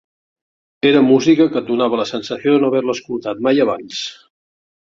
Era música que et donava la sensació de no haver-la escoltat mai abans.